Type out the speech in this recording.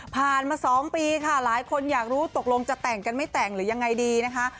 มา๒ปีค่ะหลายคนอยากรู้ตกลงจะแต่งกันไม่แต่งหรือยังไงดีนะคะ